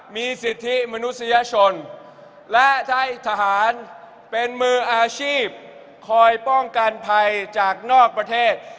มีสิทธิมนุษยชนและใช้ทหารเป็นมืออาชีพคอยป้องกันภัยจากนอกประเทศ